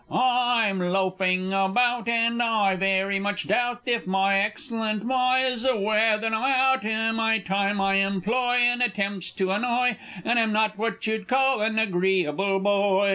I'm loafing about, and I very much doubt If my excellent Ma is aware that I'm out; My time I employ in attempts to annoy, And I'm not what you'd call an agreeable boy!